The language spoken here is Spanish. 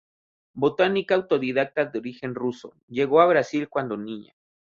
Botánica autodidacta de origen ruso, llegó a Brasil cuando niña.